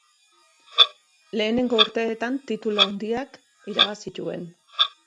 Lehenengo urteetan titulu handiak irabaz zituen.